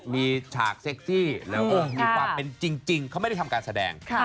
มีฉากเซ็กซี่แล้วก็มีความเป็นจริงเขาไม่ได้ทำการแสดง